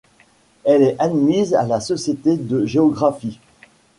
Elle est admise à la Société de géographie.